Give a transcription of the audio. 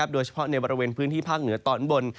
โดยเฉพาะในบริเวณพื้นที่ภาคเหนือตอนบน